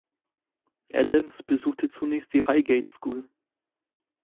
Adams besuchte zunächst die Highgate School.